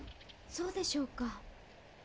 そうでしょうか？